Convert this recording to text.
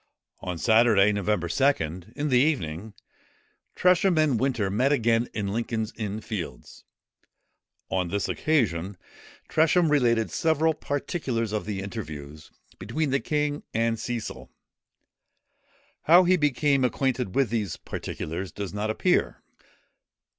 On Saturday, November 2nd, in the evening, Tresham and Winter met again in Lincoln's Inn Fields. On this occasion, Tresham related several particulars of the interviews between the king and Cecil. How he became acquainted with these particulars does not appear.